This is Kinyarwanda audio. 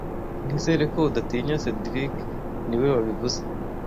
Nizere ko udatinya cedric niwe wabivuze